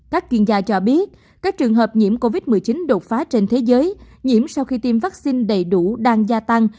các chuyên gia cho biết các trường hợp nhiễm covid một mươi chín đột phá trên thế giới nhiễm sau khi tiêm vaccine đầy đủ đang gia tăng